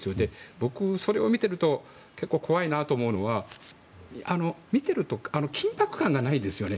僕、それを見てると結構怖いなと思うのは見てると緊迫感がないですよね。